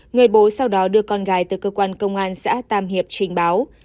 người bố sau đó đưa con gái từ cơ quan công an xã tam hiệp trình báo